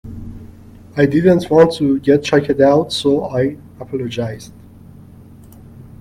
I didn't want to get chucked out so I apologized.